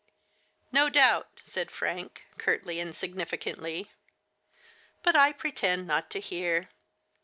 '* No doubt," said Frank, curtly and signifi cantly. "But I pretend not to hear.